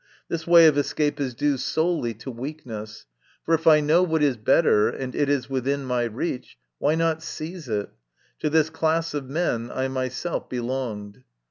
This way of escape is due MY CONFESSION. 71 solely to weakness, for if I know what is better, and it is within my reach, why not seize it? To this class of men I myself belonged.